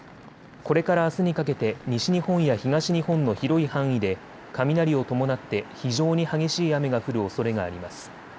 これからあすにかけて西日本や東日本の広い範囲で雷を伴って非常に激しい雨が降るおそれがあります。